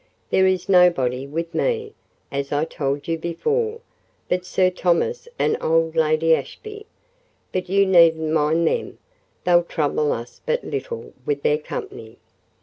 There is nobody with me, as I told you before, but Sir Thomas and old Lady Ashby: but you needn't mind them—they'll trouble us but little with their company.